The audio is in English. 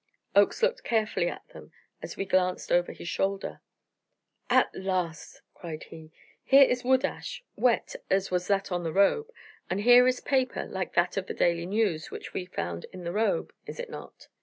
Oakes looked carefully at them as we glanced over his shoulder. "At last!" cried he. "Here is wood ash wet, as was that on the robe; and here is paper like that of the 'Daily News,' which we found in the robe; is it not?"